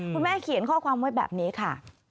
คุณแม่เขียนข้อความไว้แบบนี้ค่ะ